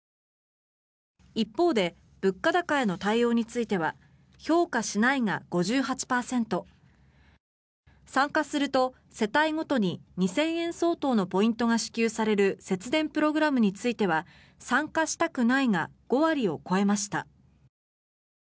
一方で物価高への対応については評価しないが５８％参加すると世帯ごとに２０００円相当のポイントが支給される節電プログラムについては参加したくないが５割を超えました。